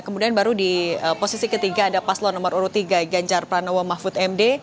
kemudian baru di posisi ketiga ada paslon nomor urut tiga ganjar pranowo mahfud md